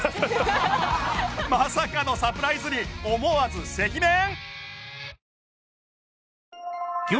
まさかのサプライズに思わず赤面！